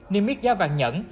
niêm yết giá vàng nhẫn